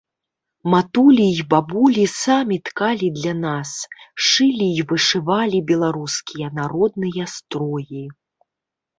Матулі і бабулі самі ткалі для нас, шылі і вышывалі беларускія народныя строі.